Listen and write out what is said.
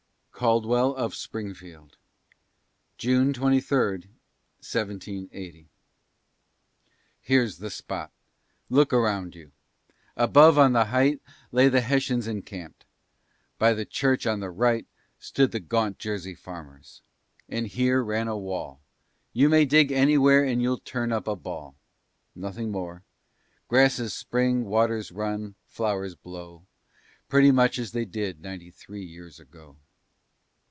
CALDWELL OF SPRINGFIELD [June 23, 1780] Here's the spot. Look around you. Above on the height Lay the Hessians encamped. By that church on the right Stood the gaunt Jersey farmers. And here ran a wall, You may dig anywhere and you'll turn up a ball. Nothing more. Grasses spring, waters run, flowers blow, Pretty much as they did ninety three years ago.